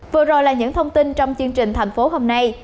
vừa rồi là những thông tin trong chương trình thành phố hôm nay